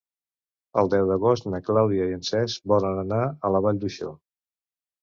El deu d'agost na Clàudia i en Cesc volen anar a la Vall d'Uixó.